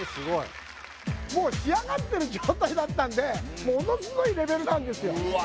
もう仕上がってる状態だったんでものすごいレベルなんですよ